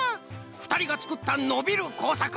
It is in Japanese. ふたりがつくったのびるこうさく